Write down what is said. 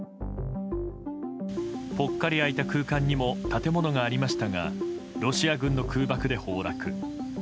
ぽっかり空いた空間にも建物がありましたがロシア軍の空爆で崩落。